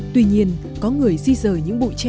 tuy nhiên có người di rời những bụi treo